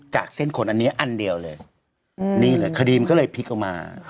จากเส้นขนอันนี้อันเดียวเลยนี่แหละคดีมันก็เลยพลิกออกมา